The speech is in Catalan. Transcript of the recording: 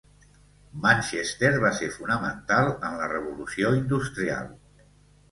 Manchester va ser fonamental en la revolució industrial.